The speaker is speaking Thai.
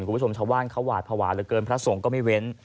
คุณผู้ชมชาวบ้านเขาหวาดภาวะเหลือเกินพระสงฆ์ก็ไม่เว้น